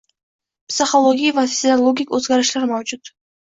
Psixologik va fiziologik oʻzgarishlar mavjud